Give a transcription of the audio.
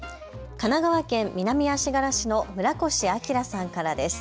神奈川県南足柄市の村越章さんからです。